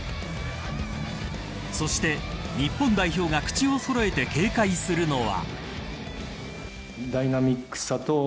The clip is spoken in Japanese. そして日本代表が口をそろえて警戒するのは。